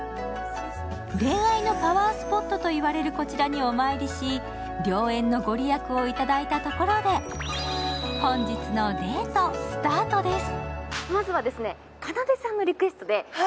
恋愛のパワースポットといわれるこちらにお参りし、良縁の御利益を頂いたところで、本日のデート、スタートです。